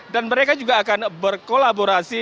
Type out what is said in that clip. dan mereka juga akan berkolaborasi